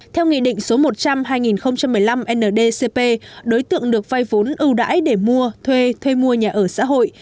theo nghị định số một trăm linh hai nghìn một mươi năm ndcp đối tượng được vai vốn ưu đãi để mua thuê thuê mua nhà ở xã hội